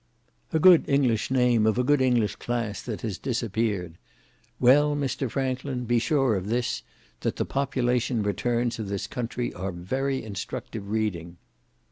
"A good English name of a good English class that has disappeared. Well, Mr Franklin, be sure of this, that the Population Returns of this country are very instructive reading."